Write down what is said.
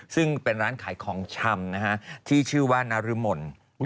ซึ่งเป็นร้านขายของชำที่ชื่อว่านรมน